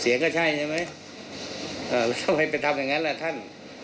เสรียงใช่ไหมเหรอเสียงก็ใช่เลยไหมทำอะไรอย่างนั้นนะท่าน